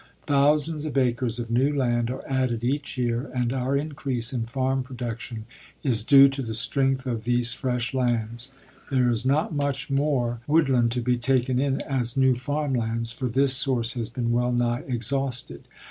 Thousands of acres of new land are added each year and our increase in farm production is due to the strength of these fresh lands. There is not much more woodland to be taken in as new farm lands, for this source has been well nigh exhausted.